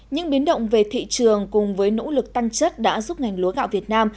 những biến động về thị trường cùng với nỗ lực tăng chất đã giúp ngành lúa gạo việt nam